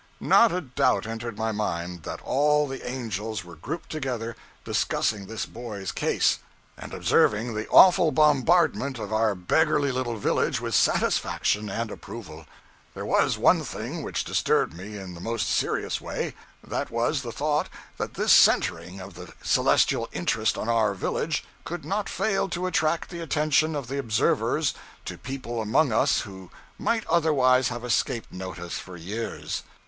Not a doubt entered my mind that all the angels were grouped together, discussing this boy's case and observing the awful bombardment of our beggarly little village with satisfaction and approval. There was one thing which disturbed me in the most serious way; that was the thought that this centering of the celestial interest on our village could not fail to attract the attention of the observers to people among us who might otherwise have escaped notice for years.